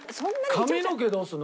髪の毛どうすんの？